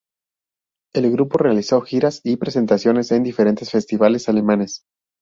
El grupo realizó giras y presentaciones en diferentes festivales alemanes.